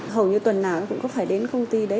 hầu như tuần nào cũng có phải đến công ty đấy